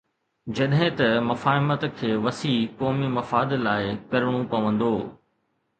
جڏهن ته مفاهمت کي وسيع قومي مفاد لاءِ ڪرڻو پوندو.